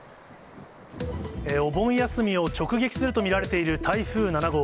お盆休みを直撃すると見られている台風７号。